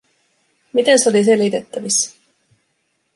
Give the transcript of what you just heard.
Miten se oli selitettävissä?